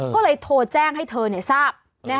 ก็เลยโทรแจ้งให้เธอทราบ